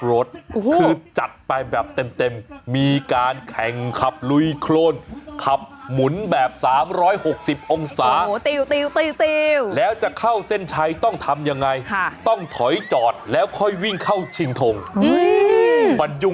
รถคือจัดไปแบบเต็มมีการแข่งขับลุยโครนขับหมุนแบบ๓๖๐องศาติวติวแล้วจะเข้าเส้นชัยต้องทำยังไงต้องถอยจอดแล้วค่อยวิ่งเข้าชิงทงมันยุ่ง